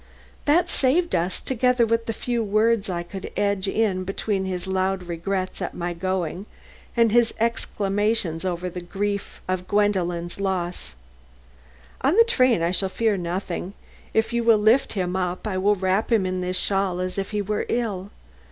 "That saved us, together with the few words I could edge in between his loud regrets at my going and his exclamations of grief over Gwendolen's loss. On the train I shall fear nothing. If you will lift him up I will wrap him in this shawl as if he were ill.